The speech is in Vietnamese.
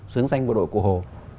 xứng danh bộ đội cộ hồ